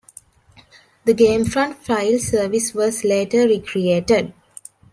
The GameFront file service was later recreated.